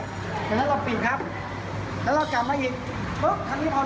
เดี๋ยวถ้าเราปิดครับถ้าเรากะมาให้หินปุ๊บ